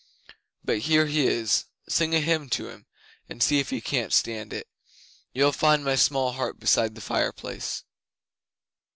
"But here he is. Sing a hymn to him, and see if he can stand it. You'll find my small harp beside the fireplace."